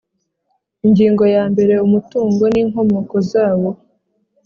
Ingingo ya mbere Umutungo n inkomoko zawo